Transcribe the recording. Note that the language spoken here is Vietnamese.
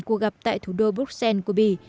cuộc gặp tại thủ đô bruxelles của bỉ